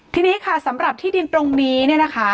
ทีนี้ค่ะสำหรับที่ดินตรงนี้เนี่ยนะคะ